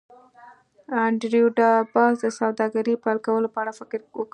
انډریو ډاټ باس د سوداګرۍ پیل کولو په اړه فکر وکړ